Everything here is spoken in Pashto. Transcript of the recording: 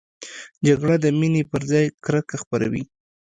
جګړه د مینې پر ځای کرکه خپروي